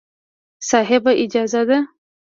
صاحب! اجازه ده.